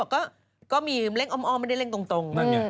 ก็บอกว่าเล่งอ้อมไม่ได้เล่งตรง